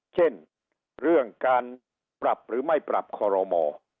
เช่นเรื่องการปรับหรือไม่ปรับคอรมอ